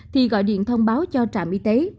thì gọi điện thông báo cho trạm y tế